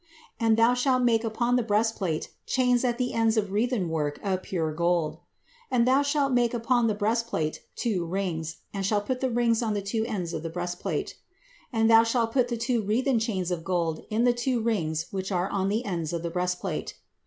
And thou shalt make upon the breastplate chains at the ends of wreathen work of pure gold. And thou shalt make upon the breastplate two rings of gold, and shalt put the two rings on the two ends of the breastplate. And thou shalt put the two wreathen chains of gold in the two rings which are on the ends of the breastplate.